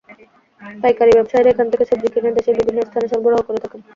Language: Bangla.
পাইকারি ব্যবসায়ীরা এখান থেকে সবজি কিনে দেশের বিভিন্ন স্থানে সরবরাহ করে থাকেন।